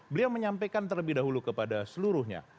beliau menyampaikan terlebih dahulu kepada seluruhnya